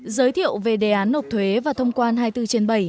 giới thiệu về đề án nộp thuế và thông quan hai mươi bốn trên bảy